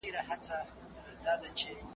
هغه څوک چي سیر کوي روغ وي؟!